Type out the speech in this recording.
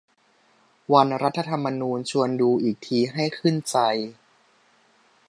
วันรัฐธรรมนูญ ชวนดูอีกทีให้ขึ้นใจ